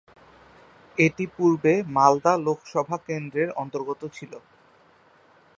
এটি পূর্বে মালদা লোকসভা কেন্দ্রের অন্তর্গত ছিল।